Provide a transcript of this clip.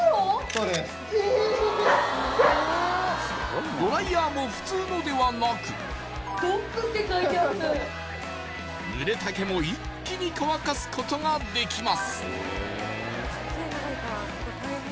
そうですええドライヤーも普通のではなく「ＤＯＧ」って書いてあるぬれた毛も一気に乾かすことができます